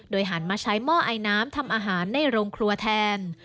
หันมาใช้หม้อไอน้ำทำอาหารในโรงครัวแทน